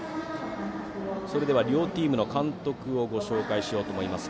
それでは両チームの監督をご紹介しようと思います。